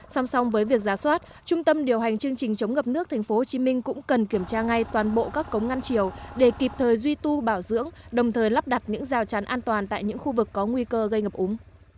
song song với việc giá soát trung tâm điều hành chương trình chống ngập nước tp hcm cũng cần kiểm tra ngay toàn bộ các cống ngăn triều để kịp thời duy tu bảo dưỡng đồng thời lắp đặt những rào chắn an toàn tại những khu vực có nguy cơ gây ngập úng